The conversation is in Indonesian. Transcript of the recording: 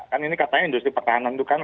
kan ini katanya industri pertahanan itu kan